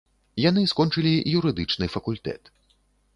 Яны скончылі юрыдычны факультэт.